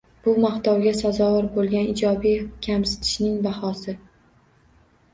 Bu maqtovga sazovor bo'lgan ijobiy kamsitishning bahosi